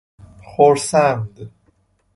خرسند